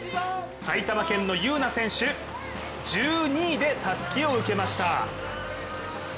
埼玉県の優苗選手、１２位でたすきを受けました。